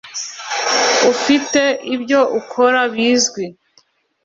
ufite ibyo akora bizwi